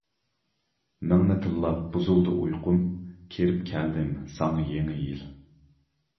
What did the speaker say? مىڭنى تىللاپ، بۇزۇلدى ئۇيقۇم، كىرىپ كەلدىم ساڭا يېڭى يىل.